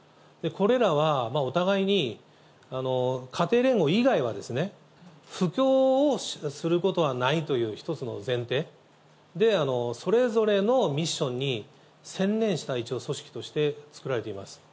これらは、お互いに家庭連合以外は布教をすることはないという一つの前提で、それぞれのミッションに専念した一応、組織として作られています。